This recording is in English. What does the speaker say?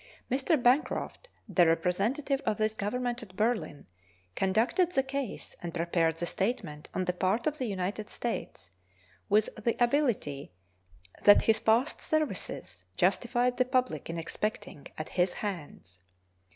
Mr. Bancroft, the representative of this Government at Berlin, conducted the case and prepared the statement on the part of the United States with the ability that his past services justified the public in expecting at his hands.